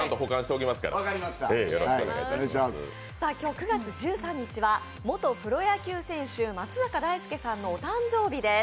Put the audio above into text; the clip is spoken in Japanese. ９月１３日は元プロ野球選手松坂大輔選手のお誕生日です。